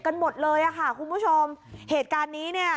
กันหมดเลยอ่ะค่ะคุณผู้ชมเหตุการณ์นี้เนี่ย